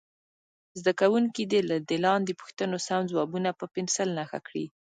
زده کوونکي دې د لاندې پوښتنو سم ځوابونه په پنسل نښه کړي.